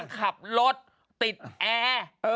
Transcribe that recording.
ขับรถติดแอร์